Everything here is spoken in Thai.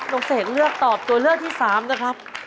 เสกเลือกตอบตัวเลือกที่๓นะครับ